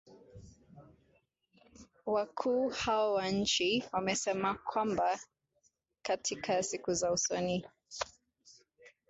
Wakuu hao wa nchi wamesema kwamba katika siku za usoni,